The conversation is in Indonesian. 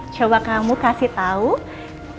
coba kamu kasih tau tentang contoh